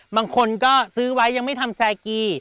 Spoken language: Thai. บางคนก็ซื้อไว้ยังไม่ทำแซกี